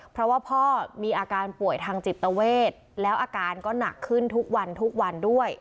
เพราะว่าพ่อมีอาการป่วยทางจิตเวทแล้วอาการก็หนักขึ้นทุกวันทุกวันด้วย